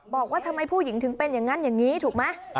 บอกว่าทำไมผู้หญิงถึงเป็นอย่างนั้นอย่างนี้ถูกไหม